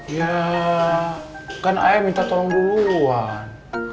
ya kan ayah minta tolong duluan